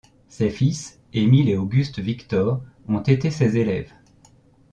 Ses fils Emile et Auguste Victor ont été ses élèves.